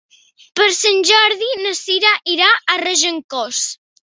Per Sant Jordi na Cira irà a Regencós.